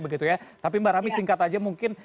begitu ya tapi mbak rami singkat aja mungkin